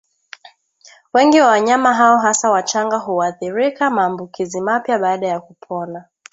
Wengi wa wanyama hao hasa wachanga huathirika Maambukizi mapya baada ya kupona